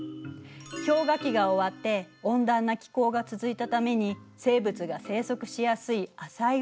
氷河期が終わって温暖な気候が続いたために生物が生息しやすい浅い海が広がったから。